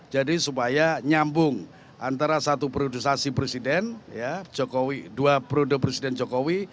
jadi supaya nyambung antara satu produsasi presiden jokowi dua produsasi presiden jokowi